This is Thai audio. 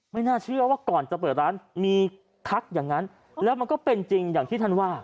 น่าเชื่อว่าก่อนจะเปิดร้านมีทักอย่างนั้นแล้วมันก็เป็นจริงอย่างที่ท่านว่า